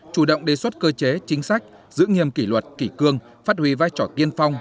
chủ động đề xuất cơ chế chính sách giữ nghiêm kỷ luật kỷ cương phát huy vai trò tiên phong